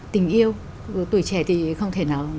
tình yêu tuổi trẻ thì không thể nào